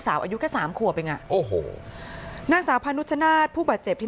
สาวอายุแค่๓ขวบเนี่ยโอ้โหนางสาวพานุชนาฏผู้บาดเจ็บที่